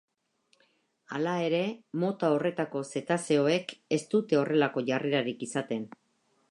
Hala ere, mota horretako zetazeoek ez dute horrelako jarrerarik izaten.